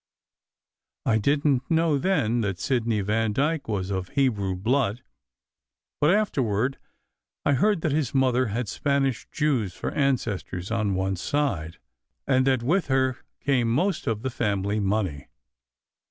I didn t know then that Sidney Vandyke was of Hebrew blood, but afterward I heard that his mother had Spanish Jews for ancestors on one side, and that with her came most of the family money.